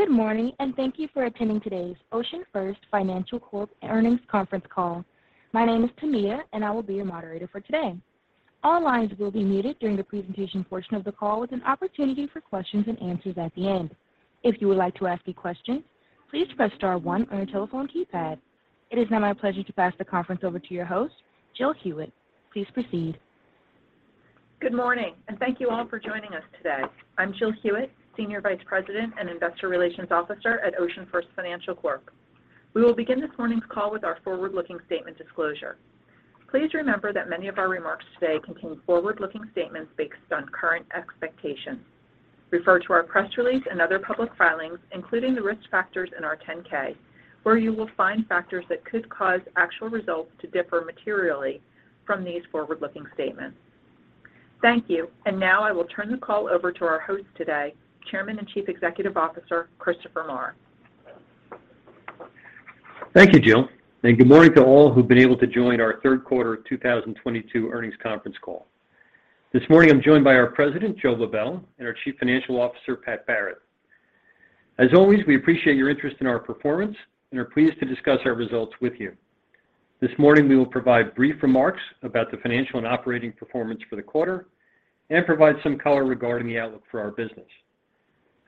Good morning, and thank you for attending today's OceanFirst Financial Corp Earnings Conference Call. My name is Tamia, and I will be your moderator for today. All lines will be muted during the presentation portion of the call with an opportunity for questions and answers at the end. If you would like to ask a question, please press star one on your telephone keypad. It is now my pleasure to pass the conference over to your host, Jill Hewitt. Please proceed. Good morning, and thank you all for joining us today. I'm Jill Hewitt, Senior Vice President and Investor Relations Officer at OceanFirst Financial Corp. We will begin this morning's call with our forward-looking statement disclosure. Please remember that many of our remarks today contain forward-looking statements based on current expectations. Refer to our press release and other public filings, including the risk factors in our 10-K, where you will find factors that could cause actual results to differ materially from these forward-looking statements. Thank you. Now I will turn the call over to our host today, Chairman and Chief Executive Officer, Christopher Maher. Thank you, Jill, and good morning to all who've been able to join our third quarter of 2022 earnings conference call. This morning I'm joined by our president, Joe Lebel, and our chief financial officer, Pat Barrett. As always, we appreciate your interest in our performance and are pleased to discuss our results with you. This morning, we will provide brief remarks about the financial and operating performance for the quarter and provide some color regarding the outlook for our business.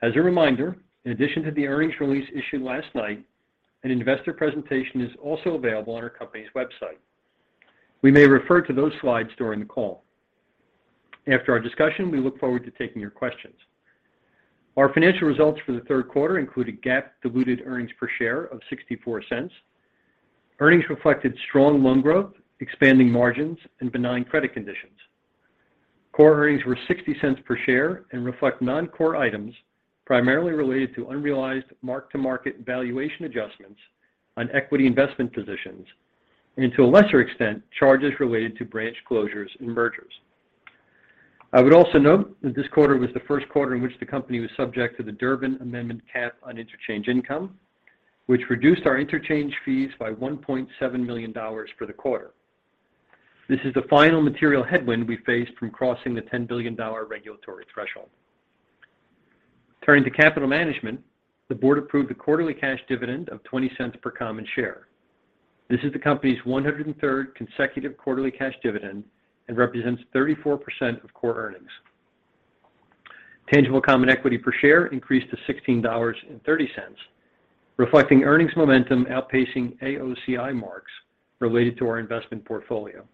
As a reminder, in addition to the earnings release issued last night, an investor presentation is also available on our company's website. We may refer to those slides during the call. After our discussion, we look forward to taking your questions. Our financial results for the third quarter include a GAAP diluted earnings per share of $0.64. Earnings reflected strong loan growth, expanding margins, and benign credit conditions. Core earnings were $0.60 per share and reflect non-core items primarily related to unrealized mark-to-market valuation adjustments on equity investment positions and, to a lesser extent, charges related to branch closures and mergers. I would also note that this quarter was the first quarter in which the company was subject to the Durbin Amendment cap on interchange income, which reduced our interchange fees by $1.7 million for the quarter. This is the final material headwind we face from crossing the $10 billion regulatory threshold. Turning to capital management, the board approved a quarterly cash dividend of $0.20 per common share. This is the company's 103rd consecutive quarterly cash dividend and represents 34% of core earnings. Tangible common equity per share increased to $16.30, reflecting earnings momentum outpacing AOCI marks related to our investment portfolio.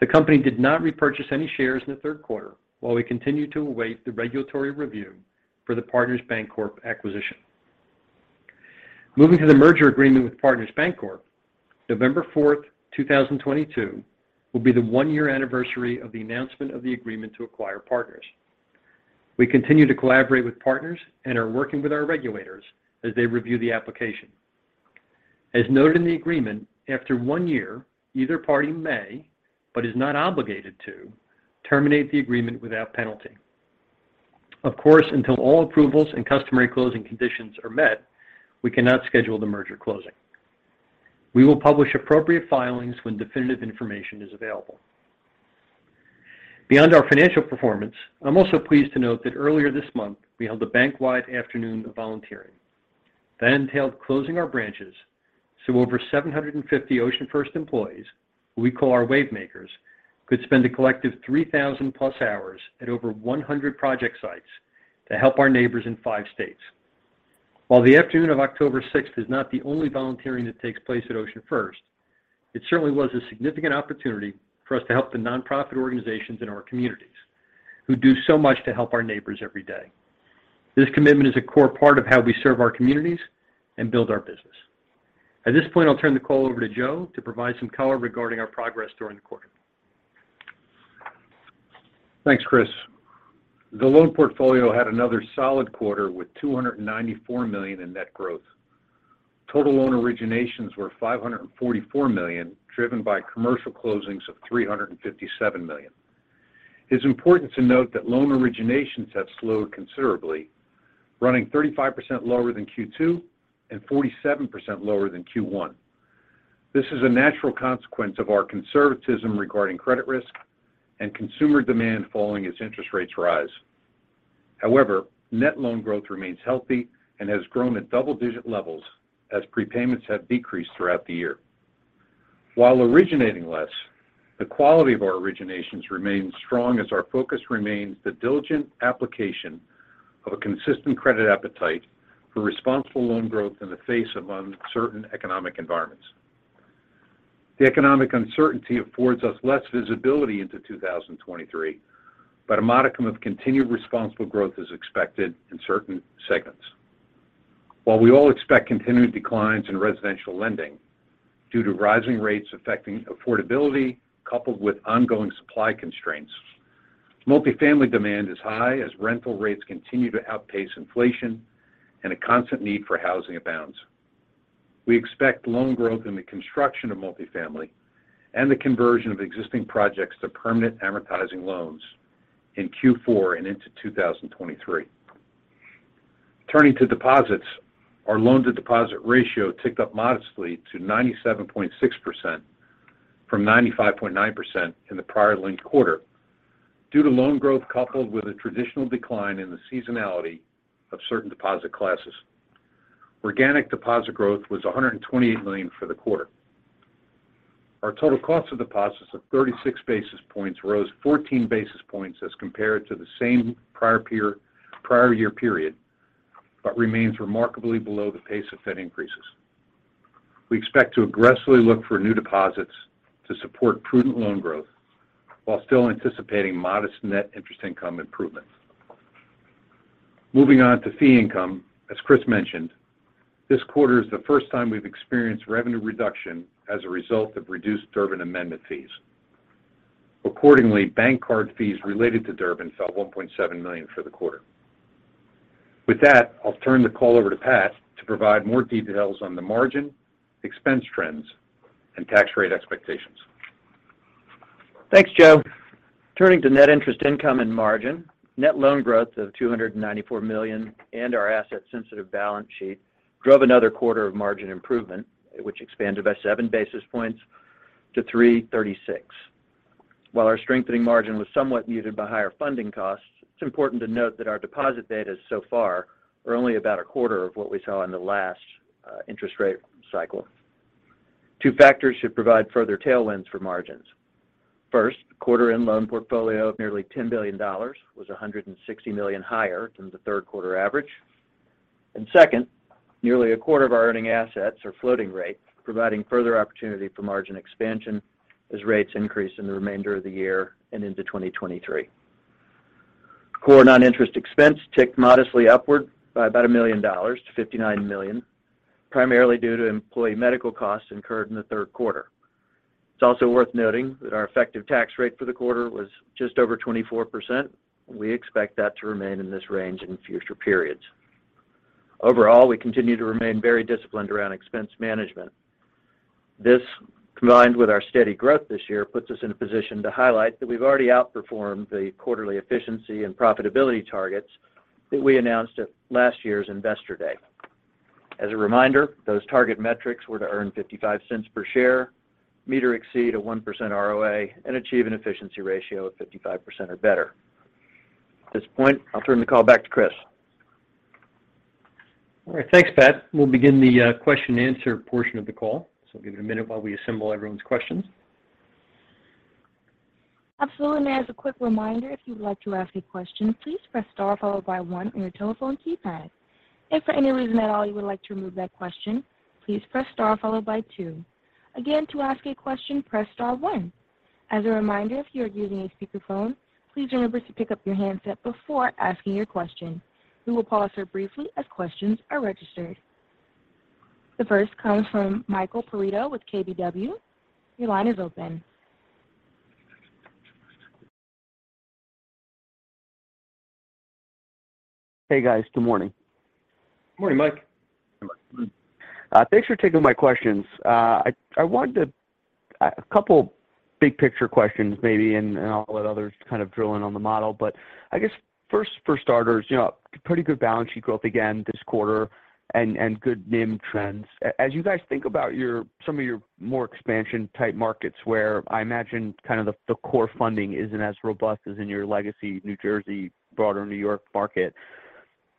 The company did not repurchase any shares in the third quarter while we continue to await the regulatory review for the Partners Bancorp acquisition. Moving to the merger agreement with Partners Bancorp, November 4, 2022 will be the one-year anniversary of the announcement of the agreement to acquire Partners. We continue to collaborate with Partners and are working with our regulators as they review the application. As noted in the agreement, after one year, either party may, but is not obligated to, terminate the agreement without penalty. Of course, until all approvals and customary closing conditions are met, we cannot schedule the merger closing. We will publish appropriate filings when definitive information is available. Beyond our financial performance, I'm also pleased to note that earlier this month we held a bank-wide afternoon of volunteering. That entailed closing our branches so over 750 OceanFirst employees, who we call our Wavemakers, could spend a collective 3,000+ hours at over 100 project sites to help our neighbors in 5 states. While the afternoon of October sixth is not the only volunteering that takes place at OceanFirst, it certainly was a significant opportunity for us to help the nonprofit organizations in our communities who do so much to help our neighbors every day. This commitment is a core part of how we serve our communities and build our business. At this point, I'll turn the call over to Joe to provide some color regarding our progress during the quarter. Thanks, Chris. The loan portfolio had another solid quarter with $294 million in net growth. Total loan originations were $544 million, driven by commercial closings of $357 million. It's important to note that loan originations have slowed considerably, running 35% lower than Q2 and 47% lower than Q1. This is a natural consequence of our conservatism regarding credit risk and consumer demand following as interest rates rise. However, net loan growth remains healthy and has grown at double-digit levels as prepayments have decreased throughout the year. While originating less, the quality of our originations remains strong as our focus remains the diligent application of a consistent credit appetite for responsible loan growth in the face of uncertain economic environments. The economic uncertainty affords us less visibility into 2023, but a modicum of continued responsible growth is expected in certain segments. While we all expect continued declines in residential lending due to rising rates affecting affordability coupled with ongoing supply constraints, multifamily demand is high as rental rates continue to outpace inflation and a constant need for housing abounds. We expect loan growth in the construction of multifamily and the conversion of existing projects to permanent amortizing loans in Q4 and into 2023. Turning to deposits, our loan-to-deposit ratio ticked up modestly to 97.6% from 95.9% in the prior linked quarter. Due to loan growth coupled with a traditional decline in the seasonality of certain deposit classes. Organic deposit growth was $128 million for the quarter. Our total cost of deposits of 36 basis points rose 14 basis points as compared to the same prior year period, but remains remarkably below the pace of Fed increases. We expect to aggressively look for new deposits to support prudent loan growth while still anticipating modest net interest income improvements. Moving on to fee income. As Chris mentioned, this quarter is the first time we've experienced revenue reduction as a result of reduced Durbin Amendment fees. Accordingly, bank card fees related to Durbin fell $1.7 million for the quarter. With that, I'll turn the call over to Pat to provide more details on the margin, expense trends, and tax rate expectations. Thanks, Joe. Turning to net interest income and margin. Net loan growth of $294 million and our asset-sensitive balance sheet drove another quarter of margin improvement, which expanded by 7 basis points to 3.36%. While our strengthening margin was somewhat muted by higher funding costs, it's important to note that our deposit betas so far are only about a quarter of what we saw in the last interest rate cycle. Two factors should provide further tailwinds for margins. First, quarter-end loan portfolio of nearly $10 billion was $160 million higher than the third quarter average. Second, nearly a quarter of our earning assets are floating rate, providing further opportunity for margin expansion as rates increase in the remainder of the year and into 2023. Core non-interest expense ticked modestly upward by about $1 million to $59 million, primarily due to employee medical costs incurred in the third quarter. It's also worth noting that our effective tax rate for the quarter was just over 24%. We expect that to remain in this range in future periods. Overall, we continue to remain very disciplined around expense management. This, combined with our steady growth this year, puts us in a position to highlight that we've already outperformed the quarterly efficiency and profitability targets that we announced at last year's Investor Day. As a reminder, those target metrics were to earn $0.55 per share, meet or exceed a 1% ROA, and achieve an efficiency ratio of 55% or better. At this point, I'll turn the call back to Chris. All right. Thanks, Pat. We'll begin the question and answer portion of the call. Give it a minute while we assemble everyone's questions. Absolutely. As a quick reminder, if you would like to ask a question, please press star followed by one on your telephone keypad. If for any reason at all you would like to remove that question, please press star followed by two. Again, to ask a question, press star one. As a reminder, if you are using a speakerphone, please remember to pick up your handset before asking your question. We will pause here briefly as questions are registered. The first comes from Michael Perito with KBW. Your line is open. Hey, guys. Good morning. Morning, Mike. Thanks for taking my questions. I wanted to a couple big picture questions maybe and I'll let others kind of drill in on the model. I guess first for starters, you know, pretty good balance sheet growth again this quarter and good NIM trends. As you guys think about your some of your more expansion type markets where I imagine kind of the core funding isn't as robust as in your legacy New Jersey, broader New York market,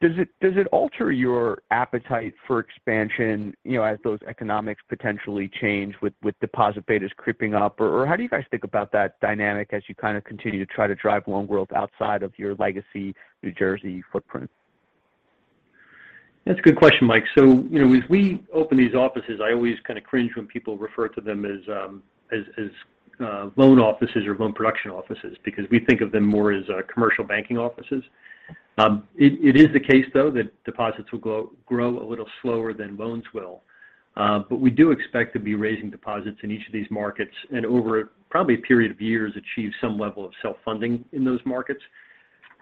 does it alter your appetite for expansion, you know, as those economics potentially change with deposit betas creeping up? Or how do you guys think about that dynamic as you kind of continue to try to drive loan growth outside of your legacy New Jersey footprint? That's a good question, Mike. You know, as we open these offices, I always kind of cringe when people refer to them as loan offices or loan production offices because we think of them more as commercial banking offices. It is the case though that deposits will grow a little slower than loans will. We do expect to be raising deposits in each of these markets and over probably a period of years achieve some level of self-funding in those markets.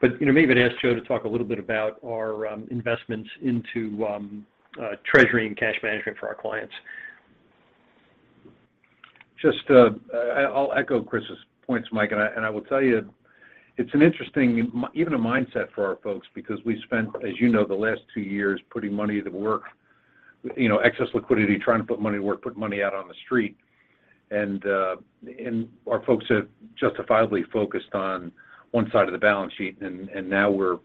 You know, maybe I'd ask Joe to talk a little bit about our investments into treasury and cash management for our clients. I'll echo Chris's points, Mike. I will tell you it's an interesting even a mindset for our folks because we spent, as you know, the last two years putting money to work, you know, excess liquidity, trying to put money to work, put money out on the street. Our folks have justifiably focused on one side of the balance sheet. Now we're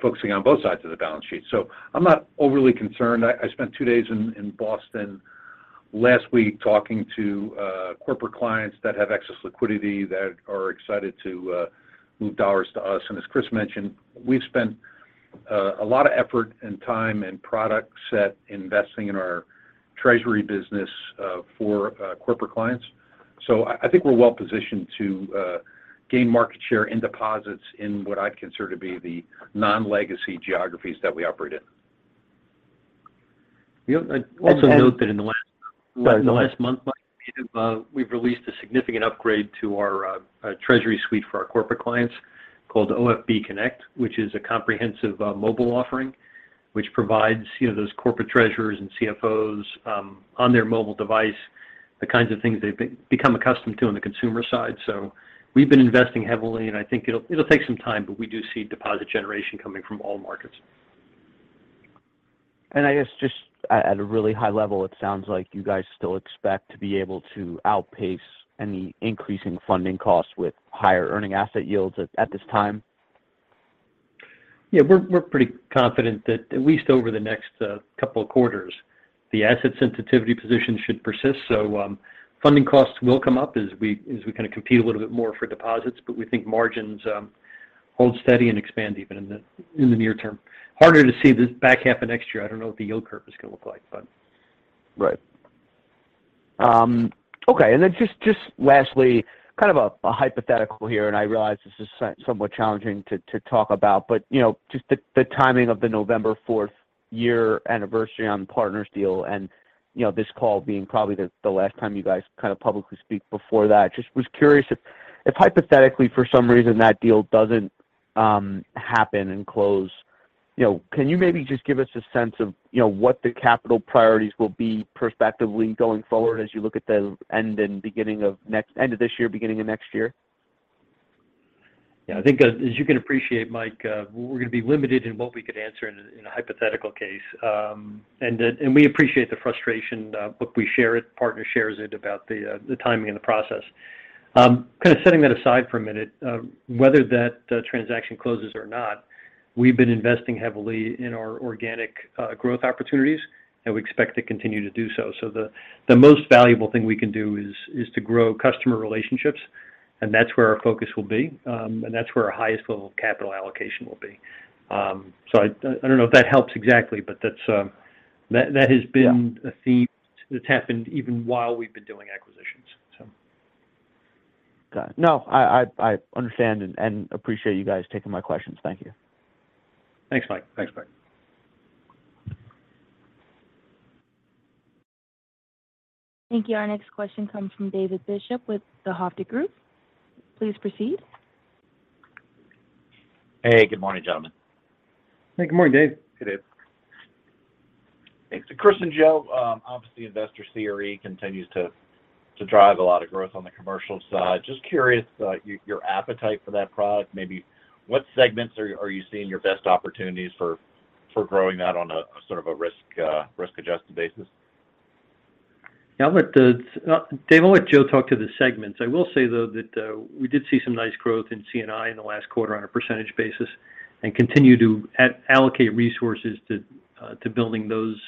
focusing on both sides of the balance sheet. I'm not overly concerned. I spent two days in Boston last week talking to corporate clients that have excess liquidity that are excited to move dollars to us. As Chris mentioned, we've spent a lot of effort and time and product set investing in our treasury business for corporate clients. I think we're well positioned to gain market share in deposits in what I'd consider to be the non-legacy geographies that we operate in. You know, I'd also note that in the last. Go ahead. In the last month, Mike, we've released a significant upgrade to our treasury suite for our corporate clients called OFB Connect, which is a comprehensive mobile offering, which provides, you know, those corporate treasurers and CFOs on their mobile device the kinds of things they've become accustomed to on the consumer side. We've been investing heavily, and I think it'll take some time, but we do see deposit generation coming from all markets. I guess just at a really high level, it sounds like you guys still expect to be able to outpace any increasing funding costs with higher earning asset yields at this time. Yeah. We're pretty confident that at least over the next couple of quarters, the asset sensitivity position should persist. Funding costs will come up as we kind of compete a little bit more for deposits, but we think margins hold steady and expand even in the near term. Harder to see this back half of next year. I don't know what the yield curve is gonna look like, but. Right. Okay. Just lastly, kind of a hypothetical here, and I realize this is somewhat challenging to talk about. You know, just the timing of the November fourth-year anniversary on the Partners deal and, you know, this call being probably the last time you guys kind of publicly speak before that. Just was curious if, hypothetically for some reason that deal doesn't happen and close, you know, can you maybe just give us a sense of, you know, what the capital priorities will be prospectively going forward as you look at the end of this year, beginning of next year? I think as you can appreciate, Mike, we're gonna be limited in what we could answer in a hypothetical case. We appreciate the frustration, look, we share it, partner shares it about the timing and the process. Kind of setting that aside for a minute, whether that transaction closes or not, we've been investing heavily in our organic growth opportunities, and we expect to continue to do so. The most valuable thing we can do is to grow customer relationships, and that's where our focus will be. That's where our highest level of capital allocation will be. I don't know if that helps exactly, but that's, that has been- Yeah A theme that's happened even while we've been doing acquisitions, so. Got it. No. I understand and appreciate you guys taking my questions. Thank you. Thanks, Mike. Thank you. Our next question comes from David Bishop with The Hovde Group. Please proceed. Hey. Good morning, gentlemen. Hey. Good morning, Dave. Hey, Dave. Thanks. Chris and Joe, obviously investor CRE continues to drive a lot of growth on the commercial side. Just curious, your appetite for that product. Maybe what segments are you seeing your best opportunities for growing that on a sort of a risk-adjusted basis? Yeah. I'll let Dave, I'll let Joe talk to the segments. I will say, though, that we did see some nice growth in C&I in the last quarter on a percentage basis and continue to allocate resources to building those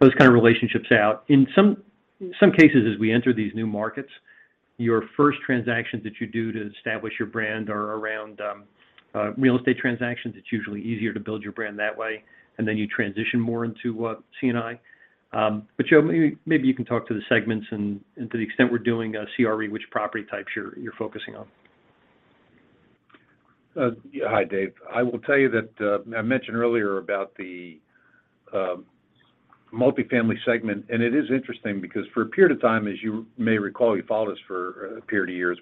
those kind of relationships out. In some cases, as we enter these new markets, your first transactions that you do to establish your brand are around real estate transactions. It's usually easier to build your brand that way, and then you transition more into C&I. But Joe, maybe you can talk to the segments and to the extent we're doing CRE, which property types you're focusing on. Yeah. Hi, Dave. I will tell you that I mentioned earlier about the multifamily segment, and it is interesting because for a period of time, as you may recall, you followed us for a period of years.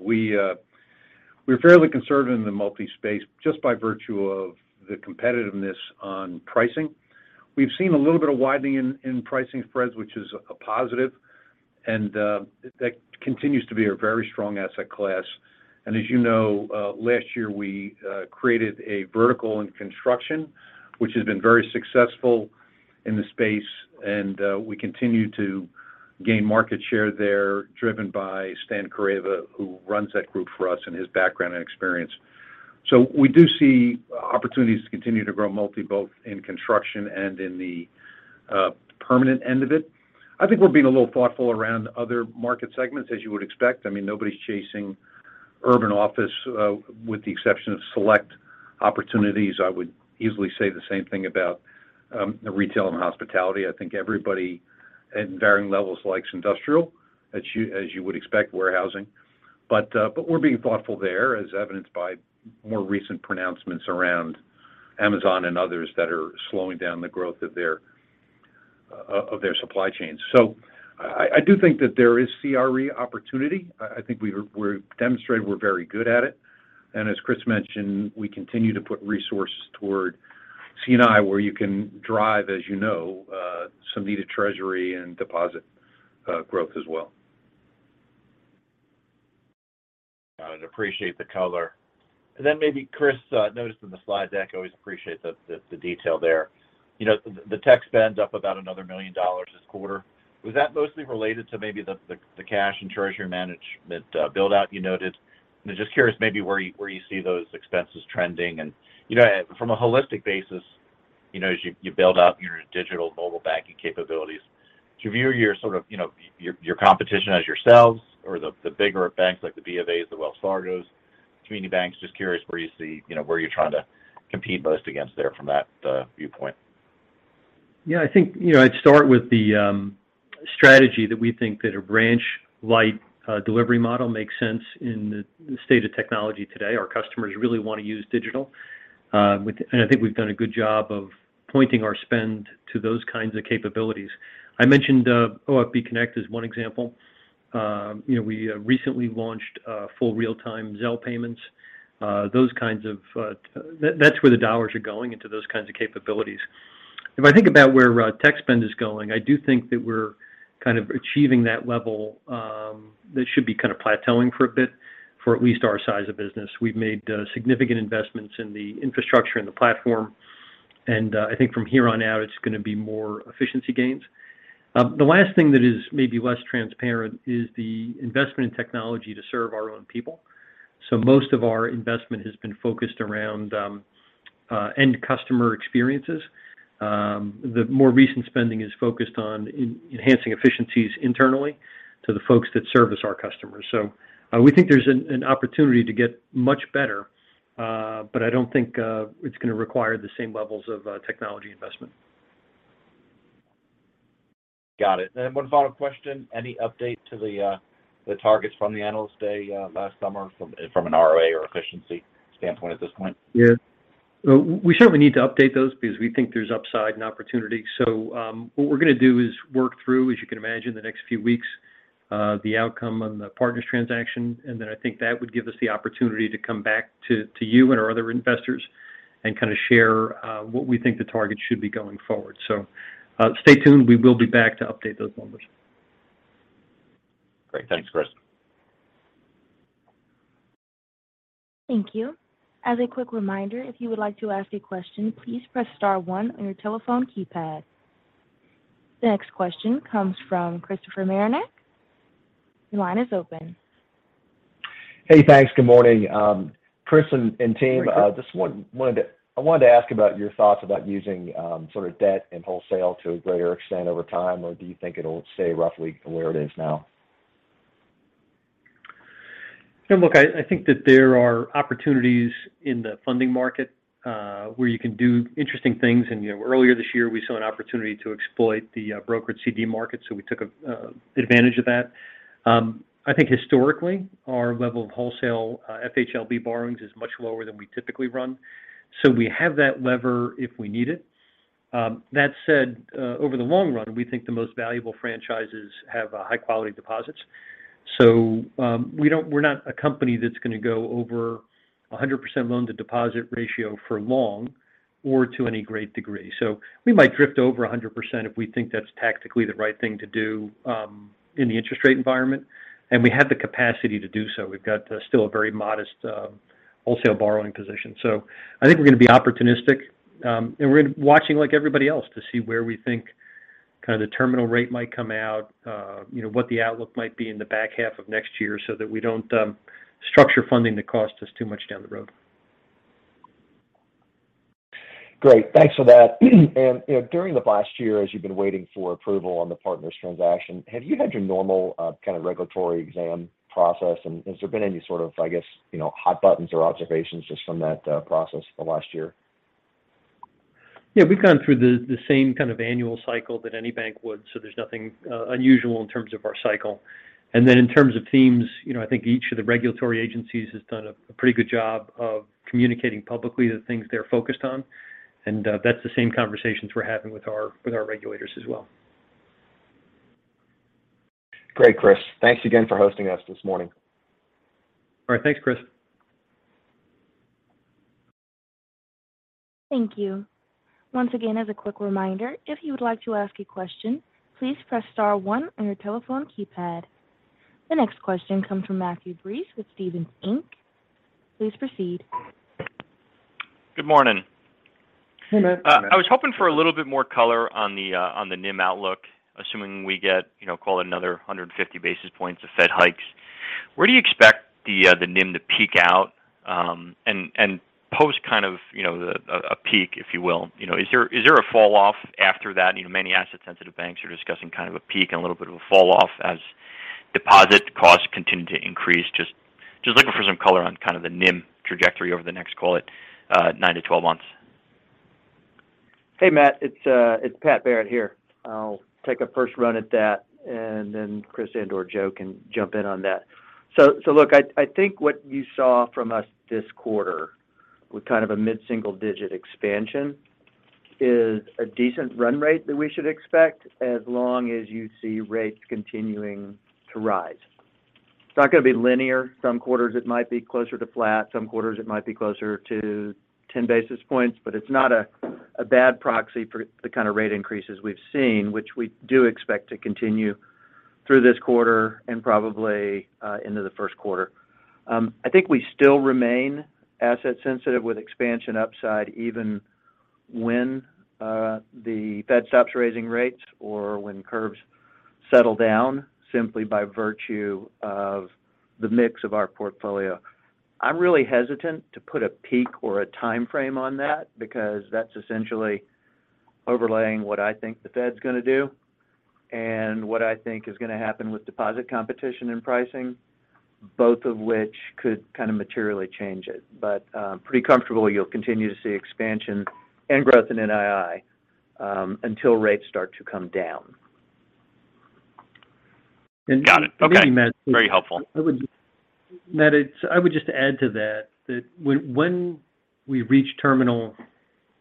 We're fairly conservative in the multi space just by virtue of the competitiveness on pricing. We've seen a little bit of widening in pricing spreads, which is a positive, and that continues to be a very strong asset class. As you know, last year we created a vertical in construction, which has been very successful in the space, and we continue to gain market share there, driven by Stani Karea, who runs that group for us, and his background and experience. We do see opportunities to continue to grow multi, both in construction and in the permanent end of it. I think we're being a little thoughtful around other market segments, as you would expect. I mean, nobody's chasing urban office with the exception of select opportunities. I would easily say the same thing about the retail and hospitality. I think everybody at varying levels likes industrial, as you would expect, warehousing. But we're being thoughtful there, as evidenced by more recent pronouncements around Amazon and others that are slowing down the growth of their supply chains. So I do think that there is CRE opportunity. I think we're demonstrating we're very good at it. As Chris mentioned, we continue to put resources toward C&I where you can drive, as you know, some needed treasury and deposit growth as well. Got it. Appreciate the color. Maybe Chris noticed in the slide deck. Always appreciate the detail there. You know, the tech spend's up about another $1 million this quarter. Was that mostly related to maybe the cash and treasury management build-out you noted? Just curious where you see those expenses trending? You know, from a holistic basis, you know, as you build out your digital mobile banking capabilities, do you view your sort of, you know, your competition as yourselves or the bigger banks like the B of A’s, the Wells Fargo, community banks? Just curious where you see, you know, where you're trying to compete most against there from that viewpoint? Yeah. I think, you know, I'd start with the strategy that we think that a branch-like delivery model makes sense in the state of technology today. Our customers really wanna use digital. I think we've done a good job of pointing our spend to those kinds of capabilities. I mentioned OFB Connect as one example. You know, we recently launched full real-time Zelle payments. Those kinds of, that's where the dollars are going, into those kinds of capabilities. If I think about where tech spend is going, I do think that we're kind of achieving that level. That should be kind of plateauing for a bit for at least our size of business. We've made significant investments in the infrastructure and the platform, and I think from here on out, it's gonna be more efficiency gains. The last thing that is maybe less transparent is the investment in technology to serve our own people. Most of our investment has been focused around end customer experiences. The more recent spending is focused on enhancing efficiencies internally to the folks that service our customers. We think there's an opportunity to get much better, but I don't think it's gonna require the same levels of technology investment. Got it. One final question. Any update to the targets from the Analyst Day last summer from an ROA or efficiency standpoint at this point? Yeah. We certainly need to update those because we think there's upside and opportunity. What we're gonna do is work through, as you can imagine, the next few weeks, the outcome on the Partners transaction, and then I think that would give us the opportunity to come back to you and our other investors and kind of share what we think the target should be going forward. Stay tuned. We will be back to update those numbers. Great. Thanks, Chris. Thank you. As a quick reminder, if you would like to ask a question, please press star one on your telephone keypad. The next question comes from Christopher Marinac. Your line is open. Hey, thanks. Good morning. Chris and team. Hey, Chris. I wanted to ask about your thoughts about using sort of debt and wholesale to a greater extent over time, or do you think it'll stay roughly where it is now? Look, I think that there are opportunities in the funding market, where you can do interesting things, and, you know, earlier this year, we saw an opportunity to exploit the brokered CD market, so we took advantage of that. I think historically, our level of wholesale FHLB borrowings is much lower than we typically run. We have that lever if we need it. That said, over the long run, we think the most valuable franchises have high-quality deposits. We're not a company that's gonna go over 100% loan-to-deposit ratio for long or to any great degree. We might drift over 100% if we think that's tactically the right thing to do in the interest rate environment, and we have the capacity to do so. We've got still a very modest wholesale borrowing position. I think we're gonna be opportunistic, watching like everybody else to see where we think kind of the terminal rate might come out, you know, what the outlook might be in the back half of next year so that we don't structure funding that costs us too much down the road. Great. Thanks for that. You know, during the last year, as you've been waiting for approval on the Partners transaction, have you had your normal kind of regulatory exam process? Has there been any sort of, I guess, you know, hot buttons or observations just from that process the last year? Yeah. We've gone through the same kind of annual cycle that any bank would, so there's nothing unusual in terms of our cycle. In terms of themes, you know, I think each of the regulatory agencies has done a pretty good job of communicating publicly the things they're focused on, and those are the same conversations we're having with our regulators as well. Great, Chris. Thanks again for hosting us this morning. All right. Thanks, Chris. Thank you. Once again, as a quick reminder, if you would like to ask a question, please press star one on your telephone keypad. The next question comes from Matthew Breese with Stephens Inc. Please proceed. Good morning. Good morning. Good morning. I was hoping for a little bit more color on the NIM outlook. Assuming we get, you know, call it another 150 basis points of Fed hikes, where do you expect the NIM to peak out? Post kind of, you know, a peak, if you will. You know, is there a fall off after that? You know, many asset-sensitive banks are discussing kind of a peak and a little bit of a fall off as deposit costs continue to increase. Just looking for some color on kind of the NIM trajectory over the next, call it, 9-12 months. Hey, Matt. It's Pat Barrett here. I'll take a first run at that, and then Chris and/or Joe can jump in on that. Look, I think what you saw from us this quarter with kind of a mid-single-digit expansion is a decent run rate that we should expect as long as you see rates continuing to rise. It's not gonna be linear. Some quarters it might be closer to flat, some quarters it might be closer to 10 basis points, but it's not a bad proxy for the kind of rate increases we've seen, which we do expect to continue through this quarter and probably into the first quarter. I think we still remain asset sensitive with expansion upside, even when the Fed stops raising rates or when curves settle down simply by virtue of the mix of our portfolio. I'm really hesitant to put a peak or a timeframe on that because that's essentially overlaying what I think the Fed's gonna do and what I think is gonna happen with deposit competition and pricing, both of which could kind of materially change it. Pretty comfortable you'll continue to see expansion and growth in NII, until rates start to come down. Got it. Okay. Maybe, Matt. Very helpful. Matt, I would just add to that when we reach terminal,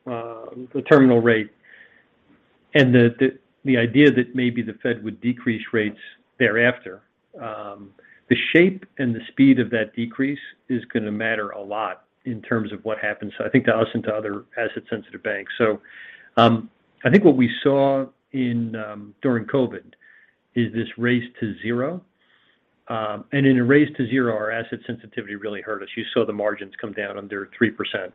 the terminal rate and the idea that maybe the Fed would decrease rates thereafter, the shape and the speed of that decrease is gonna matter a lot in terms of what happens, I think to us and to other asset-sensitive banks. I think what we saw during COVID is this race to zero. In a race to zero, our asset sensitivity really hurt us. You saw the margins come down under 3%.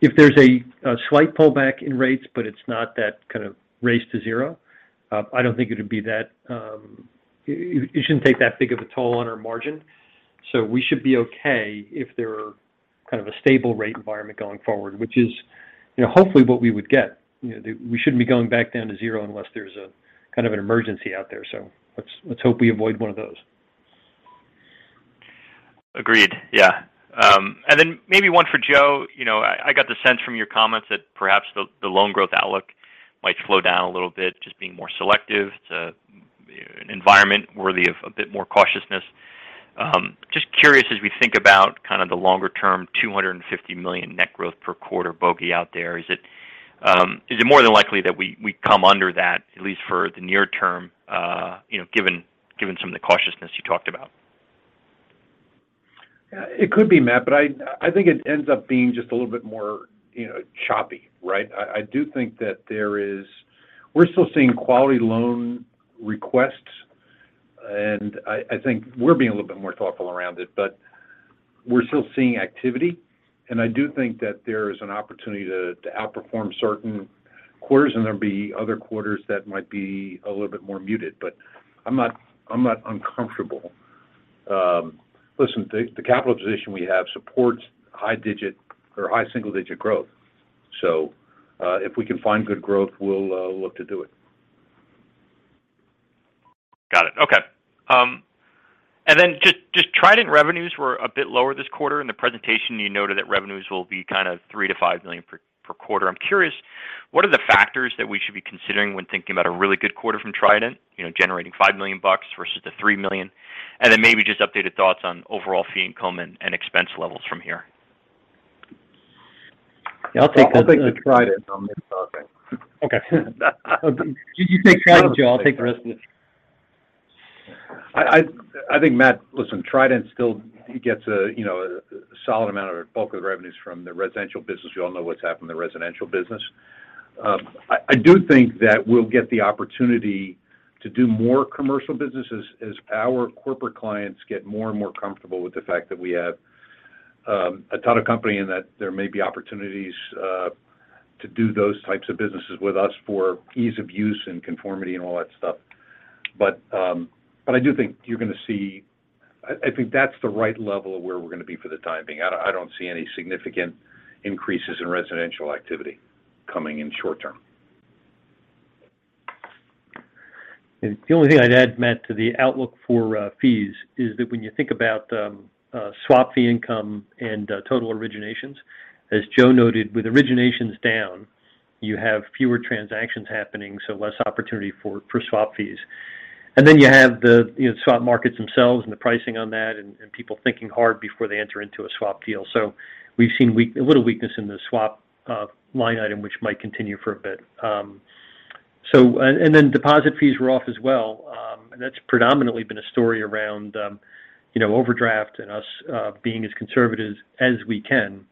If there's a slight pullback in rates, but it's not that kind of race to zero, I don't think it'd be that. It shouldn't take that big of a toll on our margin. We should be okay if there are kind of a stable rate environment going forward, which is, you know, hopefully what we would get. You know, we shouldn't be going back down to zero unless there's a kind of an emergency out there. Let's hope we avoid one of those. Agreed. Yeah. Maybe one for Joe. You know, I got the sense from your comments that perhaps the loan growth outlook might slow down a little bit, just being more selective to an environment worthy of a bit more cautiousness. Just curious as we think about kind of the longer term, $250 million net growth per quarter bogey out there. Is it more than likely that we come under that, at least for the near term, you know, given some of the cautiousness you talked about? Yeah. It could be, Matt, but I think it ends up being just a little bit more, you know, choppy, right? I do think that there is. We're still seeing quality loan requests, and I think we're being a little bit more thoughtful around it. We're still seeing activity, and I do think that there is an opportunity to outperform certain quarters, and there'll be other quarters that might be a little bit more muted. I'm not uncomfortable. Listen, the capital position we have supports high digit or high single digit growth. If we can find good growth, we'll look to do it. Got it. Okay. Then just Trident revenues were a bit lower this quarter. In the presentation, you noted that revenues will be kind of $3 million-$5 million per quarter. I'm curious, what are the factors that we should be considering when thinking about a really good quarter from Trident? You know, generating $5 million bucks versus the $3 million. Then maybe just updated thoughts on overall fee income and expense levels from here. Yeah, I'll take. I'll take the Trident and I'll miss something. Okay. You take Trident, Joe. I'll take the rest of it. I think, Matt, listen, Trident still gets a, you know, a solid amount of bulk of the revenues from the residential business. We all know what's happened in the residential business. I do think that we'll get the opportunity to do more commercial business as our corporate clients get more and more comfortable with the fact that we have a ton of company and that there may be opportunities to do those types of businesses with us for ease of use and conformity and all that stuff. But I do think you're gonna see. I think that's the right level of where we're gonna be for the time being. I don't see any significant increases in residential activity coming in short term. The only thing I'd add, Matt, to the outlook for fees is that when you think about swap fee income and total originations, as Joe noted, with originations down, you have fewer transactions happening, so less opportunity for swap fees. You have the, you know, swap markets themselves and the pricing on that and people thinking hard before they enter into a swap deal. We've seen a little weakness in the swap line item, which might continue for a bit. Deposit fees were off as well. That's predominantly been a story around, you know, overdraft and us being as conservative as we can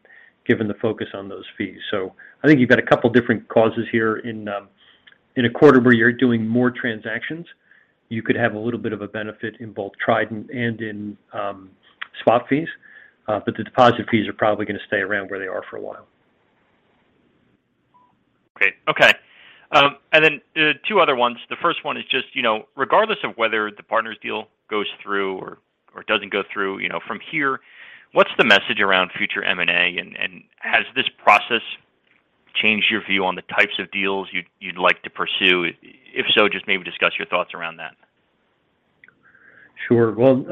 given the focus on those fees. I think you've got a couple different causes here in a quarter where you're doing more transactions. You could have a little bit of a benefit in both Trident and in swap fees. The deposit fees are probably gonna stay around where they are for a while. Great. Okay. And then two other ones. The first one is just, you know, regardless of whether the Partners Bancorp deal goes through or doesn't go through, you know, from here, what's the message around future M&A? Has this process changed your view on the types of deals you'd like to pursue? If so, just maybe discuss your thoughts around that. Sure. Well,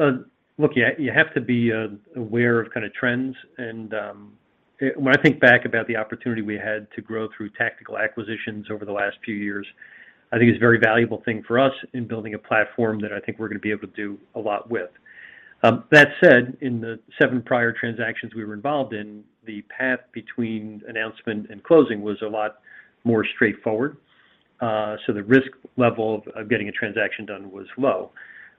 look, you have to be aware of kind of trends. When I think back about the opportunity we had to grow through tactical acquisitions over the last few years, I think it's a very valuable thing for us in building a platform that I think we're going to be able to do a lot with. That said, in the seven prior transactions we were involved in, the path between announcement and closing was a lot more straightforward. The risk level of getting a transaction done was low.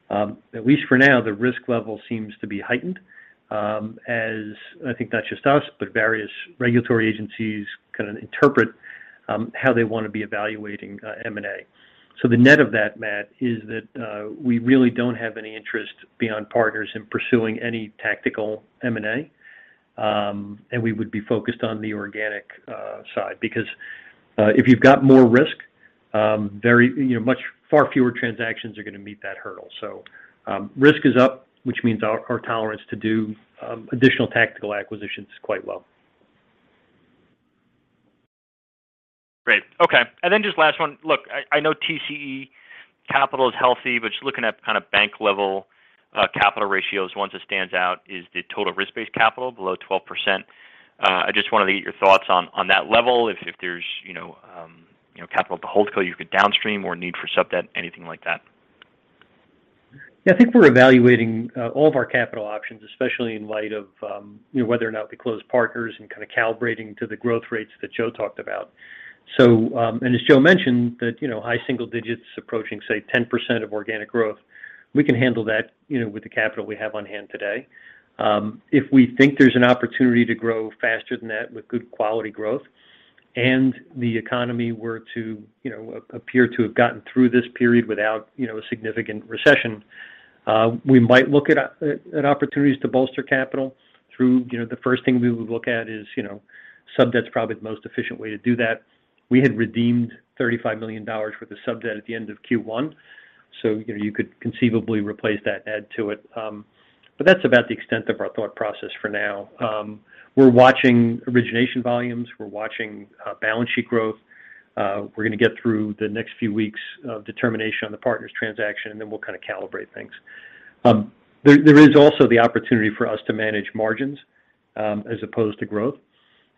At least for now, the risk level seems to be heightened, as I think not just us, but various regulatory agencies kind of interpret how they want to be evaluating M&A. The net of that, Matt, is that we really don't have any interest beyond Partners in pursuing any tactical M&A. We would be focused on the organic side. Because if you've got more risk, you know, far fewer transactions are going to meet that hurdle. Risk is up, which means our tolerance to do additional tactical acquisitions is quite low. Great. Okay. Just last one. Look, I know TCE capital is healthy, but just looking at kind of bank-level capital ratios, one that stands out is the total risk-based capital below 12%. I just wanted to get your thoughts on that level. If there's you know, capital to hold so you could downstream or need for sub debt, anything like that. Yeah. I think we're evaluating all of our capital options, especially in light of you know, whether or not we close partners and kind of calibrating to the growth rates that Joe talked about. As Joe mentioned that you know, high single digits approaching, say, 10% organic growth. We can handle that you know, with the capital we have on hand today. If we think there's an opportunity to grow faster than that with good quality growth and the economy were to you know, appear to have gotten through this period without you know, a significant recession, we might look at opportunities to bolster capital through. You know, the first thing we would look at is you know, sub-debt's probably the most efficient way to do that. We had redeemed $35 million worth of sub-debt at the end of Q1, so you know, you could conceivably replace that, add to it. That's about the extent of our thought process for now. We're watching origination volumes. We're watching balance sheet growth. We're gonna get through the next few weeks of determination on the Partners transaction, and then we'll kind of calibrate things. There is also the opportunity for us to manage margins as opposed to growth,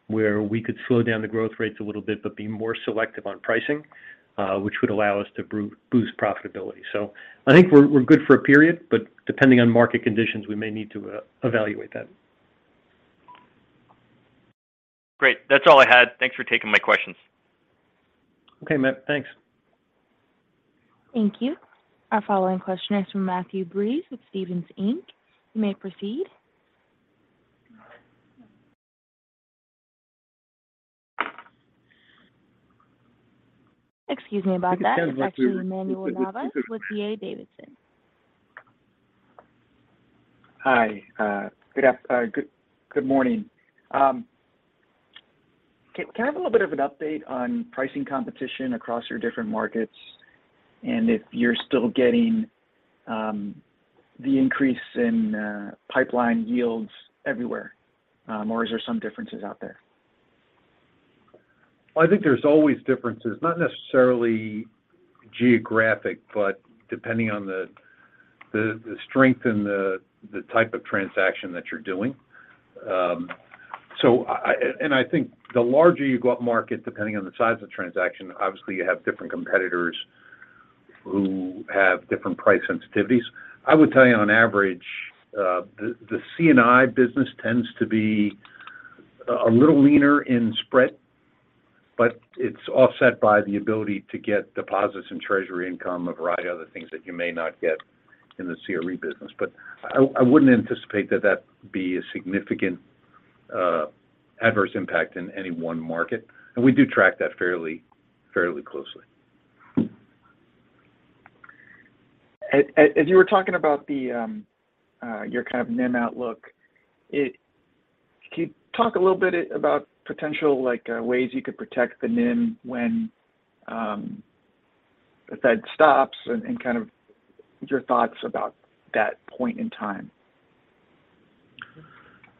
where we could slow down the growth rates a little bit but be more selective on pricing, which would allow us to boost profitability. I think we're good for a period, but depending on market conditions, we may need to evaluate that. Great. That's all I had. Thanks for taking my questions. Okay, Matt. Thanks. Thank you. Our following question is from Matthew Breese with Stephens Inc. You may proceed. Excuse me about that. It's actually Manuel Navas with D.A. Davidson. Hi. Good morning. Can I have a little bit of an update on pricing competition across your different markets and if you're still getting the increase in pipeline yields everywhere, or is there some differences out there? I think there's always differences, not necessarily geographic, but depending on the strength and the type of transaction that you're doing. I think the larger you go upmarket, depending on the size of the transaction, obviously you have different competitors who have different price sensitivities. I would tell you on average, the C&I business tends to be a little leaner in spread, but it's offset by the ability to get deposits and treasury income, a variety of other things that you may not get in the CRE business. I wouldn't anticipate that be a significant adverse impact in any one market, and we do track that fairly closely. As you were talking about your kind of NIM outlook, can you talk a little bit about potential, like, ways you could protect the NIM when the Fed stops and kind of your thoughts about that point in time?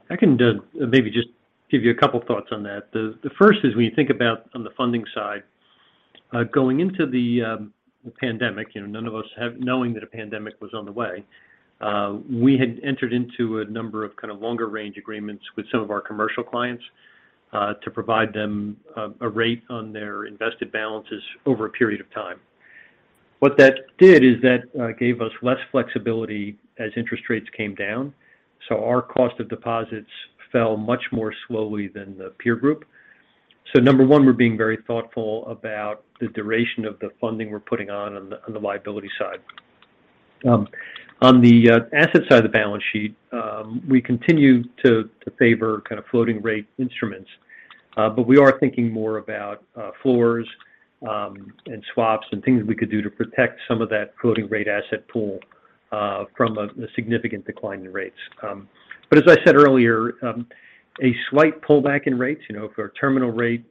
I can maybe just give you a couple thoughts on that. The first is when you think about on the funding side, going into the pandemic, you know, none of us knowing that a pandemic was on the way, we had entered into a number of kind of longer range agreements with some of our commercial clients to provide them a rate on their invested balances over a period of time. What that did is that gave us less flexibility as interest rates came down, so our cost of deposits fell much more slowly than the peer group. Number one, we're being very thoughtful about the duration of the funding we're putting on the liability side. On the asset side of the balance sheet, we continue to favor kind of floating rate instruments. We are thinking more about floors and swaps and things we could do to protect some of that floating rate asset pool from a significant decline in rates. As I said earlier, a slight pullback in rates, you know, if our terminal rate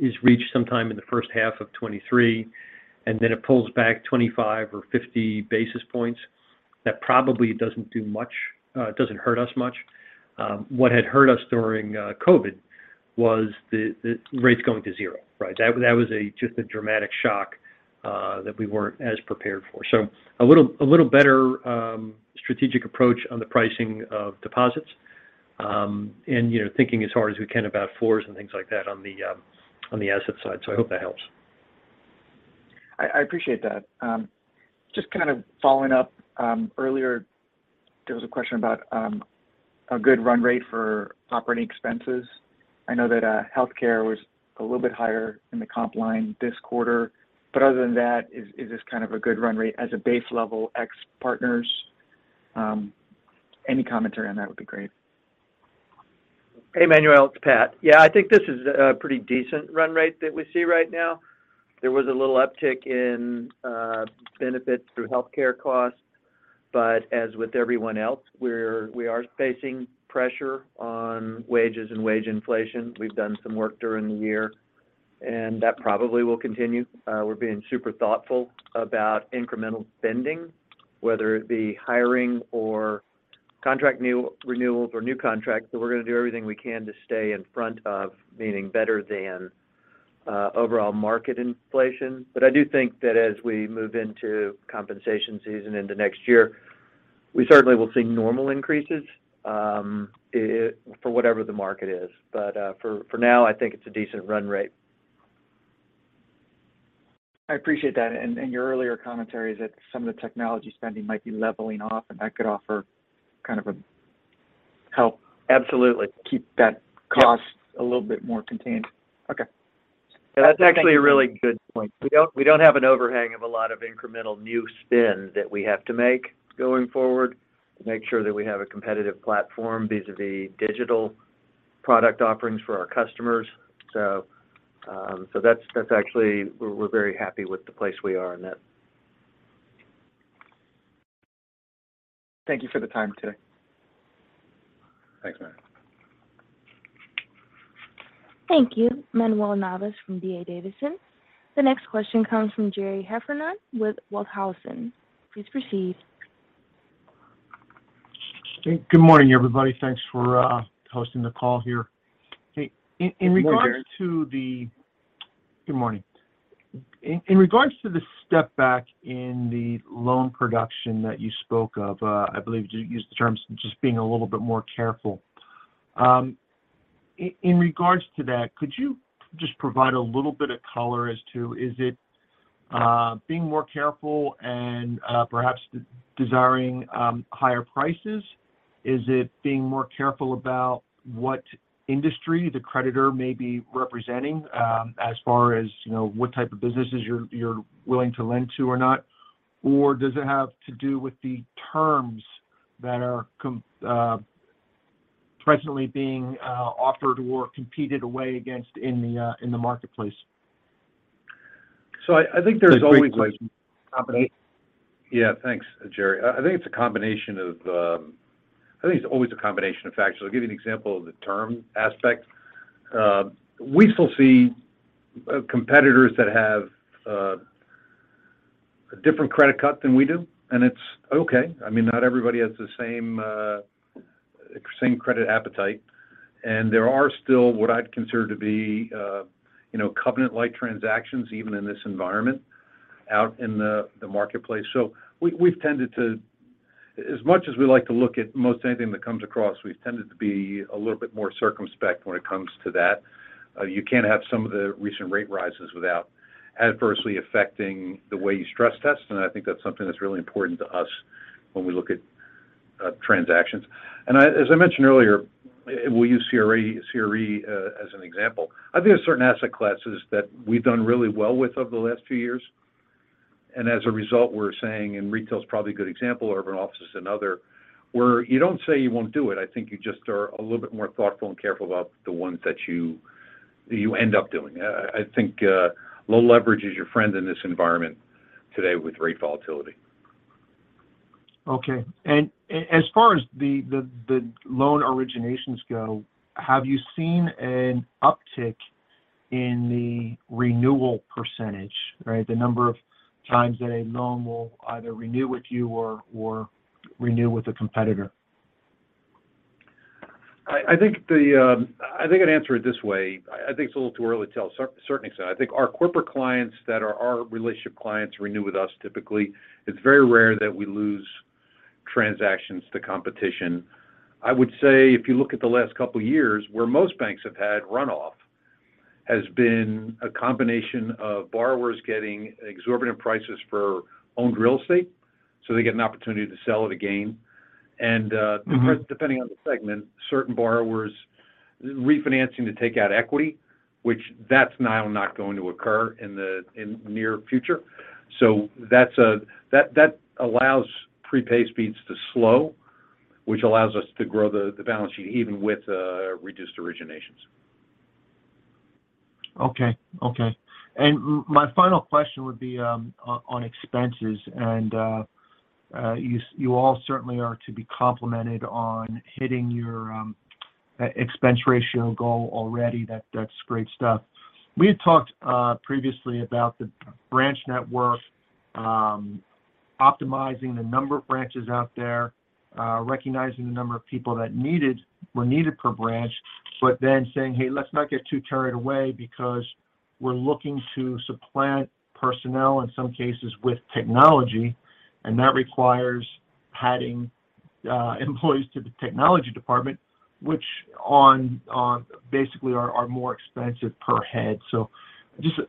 is reached sometime in the first half of 2023, and then it pulls back 25 or 50 basis points, that probably doesn't hurt us much. What had hurt us during COVID was the rates going to zero, right? That was just a dramatic shock that we weren't as prepared for. A little better strategic approach on the pricing of deposits, and, you know, thinking as hard as we can about floors and things like that on the asset side. I hope that helps. I appreciate that. Just kind of following up, earlier there was a question about a good run rate for operating expenses. I know that healthcare was a little bit higher in the comp line this quarter, but other than that, is this kind of a good run rate as a base level ex partners? Any commentary on that would be great. Hey, Manuel, it's Pat. Yeah, I think this is a pretty decent run rate that we see right now. There was a little uptick in benefits through healthcare costs, but as with everyone else, we are facing pressure on wages and wage inflation. We've done some work during the year, and that probably will continue. We're being super thoughtful about incremental spending, whether it be hiring or contract new renewals or new contracts. We're gonna do everything we can to stay in front of, meaning better than, overall market inflation. I do think that as we move into compensation season into next year, we certainly will see normal increases, for whatever the market is. For now, I think it's a decent run rate. I appreciate that. Your earlier commentary is that some of the technology spending might be leveling off, and that could offer kind of a Help. Absolutely. Keep that cost. Yeah A little bit more contained. Okay. That's actually a really good point. We don't have an overhang of a lot of incremental new spend that we have to make going forward to make sure that we have a competitive platform vis-à-vis digital product offerings for our customers. That's actually. We're very happy with the place we are in that. Thank you for the time today. Thanks, man. Thank you, Manuel Navas from D.A. Davidson. The next question comes from Gerry Heffernan Please proceed. Good morning, everybody. Thanks for hosting the call here. Hey, in regards to the. Good morning. Good morning. In regards to the step back in the loan production that you spoke of, I believe you used the terms just being a little bit more careful. In regards to that, could you just provide a little bit of color as to, is it being more careful and perhaps desiring higher prices? Is it being more careful about what industry the borrower may be representing, as far as, you know, what type of businesses you're willing to lend to or not? Or does it have to do with the terms that are presently being offered or competed away against in the marketplace? I think there's always a combination. Yeah, thanks, Jerry. I think it's always a combination of factors. I'll give you an example of the term aspect. We still see competitors that have a different credit cut than we do, and it's okay. I mean, not everybody has the same credit appetite. There are still what I'd consider to be, you know, covenant-like transactions, even in this environment out in the marketplace. As much as we like to look at most anything that comes across, we've tended to be a little bit more circumspect when it comes to that. You can't have some of the recent rate rises without adversely affecting the way you stress test, and I think that's something that's really important to us when we look at transactions. I, as I mentioned earlier, we'll use CRE as an example. I think there are certain asset classes that we've done really well with over the last few years. As a result, we're saying, and retail is probably a good example, urban offices and other, where you don't say you won't do it, I think you just are a little bit more thoughtful and careful about the ones that you end up doing. I think low leverage is your friend in this environment today with rate volatility. Okay. As far as the loan originations go, have you seen an uptick in the renewal percentage? Right, the number of times that a loan will either renew with you or renew with a competitor. I think I'd answer it this way. I think it's a little too early to tell to a certain extent. I think our corporate clients that are our relationship clients renew with us typically. It's very rare that we lose transactions to competition. I would say if you look at the last couple of years, where most banks have had runoff has been a combination of borrowers getting exorbitant prices for owned real estate, so they get an opportunity to sell it again. Depending on the segment, certain borrowers refinancing to take out equity, which, that's now not going to occur in the near future. That allows prepay speeds to slow, which allows us to grow the balance sheet even with reduced originations. Okay, okay. My final question would be on expenses. You all certainly are to be complimented on hitting your expense ratio goal already. That's great stuff. We had talked previously about the branch network, optimizing the number of branches out there, recognizing the number of people that were needed per branch, but then saying, "Hey, let's not get too carried away because we're looking to supplant personnel in some cases with technology," and that requires adding employees to the technology department, which basically are more expensive per head. Just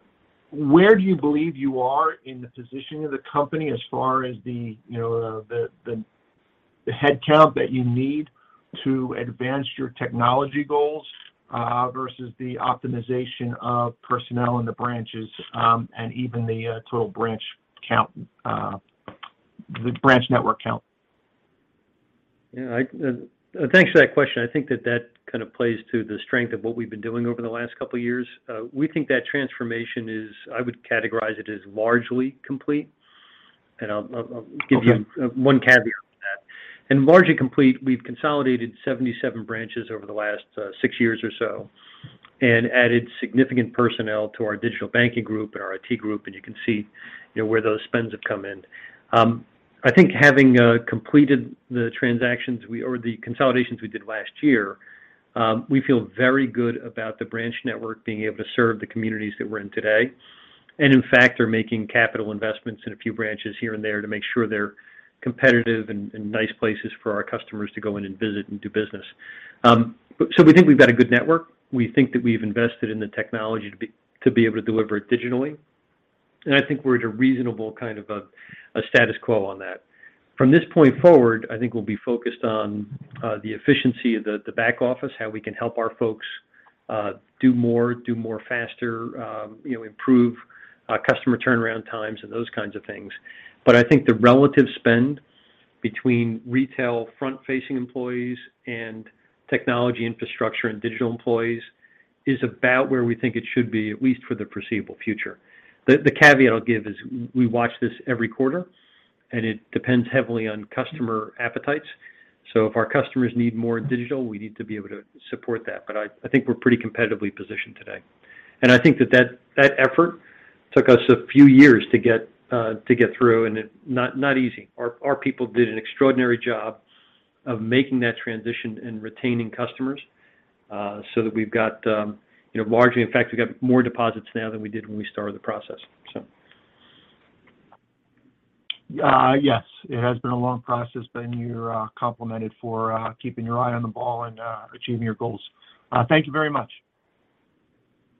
where do you believe you are in the positioning of the company as far as the, you know, the headcount that you need to advance your technology goals, versus the optimization of personnel in the branches, and even the total branch count, the branch network count? Yeah. Thanks for that question. I think that kind of plays to the strength of what we've been doing over the last couple of years. We think that transformation is, I would categorize it as largely complete, and I'll give you. Okay One caveat on that. We've largely completed. We've consolidated 77 branches over the last six years or so and added significant personnel to our digital banking group and our IT group, and you can see, you know, where those spends have come in. I think having completed the transactions or the consolidations we did last year, we feel very good about the branch network being able to serve the communities that we're in today. In fact, we are making capital investments in a few branches here and there to make sure they're competitive and nice places for our customers to go in and visit and do business. We think we've got a good network. We think that we've invested in the technology to be able to deliver it digitally. I think we're at a reasonable kind of status quo on that. From this point forward, I think we'll be focused on the efficiency of the back office, how we can help our folks do more faster, you know, improve customer turnaround times and those kinds of things. I think the relative spend between retail front-facing employees and technology infrastructure and digital employees is about where we think it should be, at least for the foreseeable future. The caveat I'll give is we watch this every quarter, and it depends heavily on customer appetites. If our customers need more digital, we need to be able to support that. I think we're pretty competitively positioned today. I think that effort took us a few years to get through, and it's not easy. Our people did an extraordinary job of making that transition and retaining customers so that we've got, you know, in fact, we've got more deposits now than we did when we started the process, so. Yes. It has been a long process, but you're complimented for keeping your eye on the ball and achieving your goals. Thank you very much.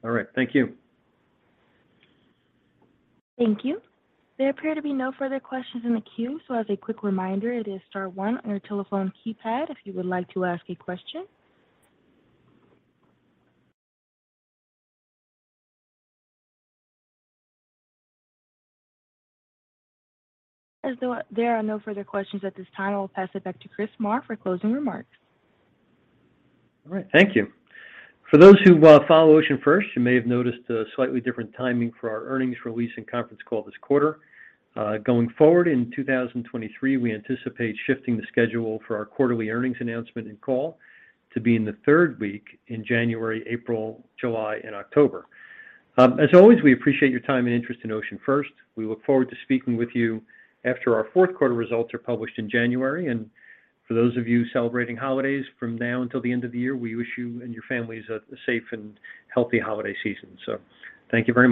All right. Thank you. Thank you. There appear to be no further questions in the queue. As a quick reminder, it is star one on your telephone keypad if you would like to ask a question. As there are no further questions at this time, I will pass it back to Chris Maher for closing remarks. All right. Thank you. For those who follow OceanFirst, you may have noticed a slightly different timing for our earnings release and conference call this quarter. Going forward in 2023, we anticipate shifting the schedule for our quarterly earnings announcement and call to be in the third week in January, April, July, and October. As always, we appreciate your time and interest in OceanFirst. We look forward to speaking with you after our fourth quarter results are published in January. For those of you celebrating holidays from now until the end of the year, we wish you and your families a safe and healthy holiday season. Thank you very much.